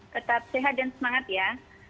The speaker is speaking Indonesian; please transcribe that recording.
tetap sehat dan semangat ya